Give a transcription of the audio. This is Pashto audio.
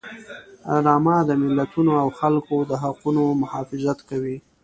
اعلامیه د ملتونو او خلکو د حقونو محافظت کوي.